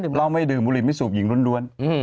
เราไม่ดื่มบุหรี่ไม่สูบหญิงล้วน